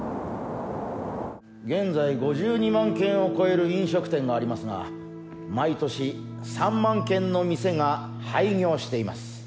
現在５２万軒を超える飲食店がありますが毎年３万軒の店が廃業しています。